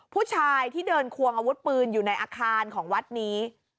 ผู้ชายที่เดินควงอาวุธปืนอยู่ในอาคารของวัดนี้